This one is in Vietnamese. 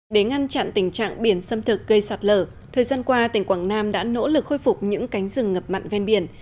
để ngăn chặn tình trạng biển xâm thực gây sạt lở thời gian qua tỉnh quảng nam đã nỗ lực khôi phục những cánh rừng ngập mặn ven biển